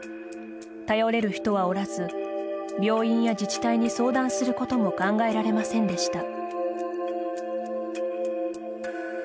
頼れる人はおらず病院や自治体に相談することも考えられませんでした。